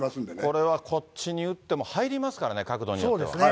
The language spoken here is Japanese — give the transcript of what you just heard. これはこっちに打っても入りますからね、角度によっては。